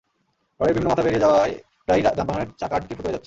রডের বিভিন্ন মাথা বেরিয়ে যাওয়ায় প্রায়ই যানবাহনের চাকা আটকে ফুটো হয়ে যাচ্ছে।